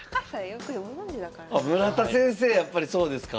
やっぱりそうですか。